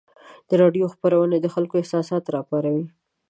د راډیو خپرونې د خلکو احساسات راپاروي.